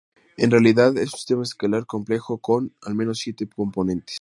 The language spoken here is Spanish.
En realidad es un sistema estelar complejo con, al menos, siete componentes.